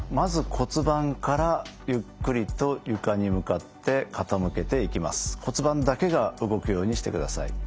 骨盤だけが動くようにしてください。